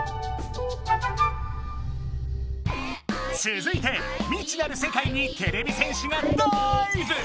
続いて未知なる世界にてれび戦士がダイブ！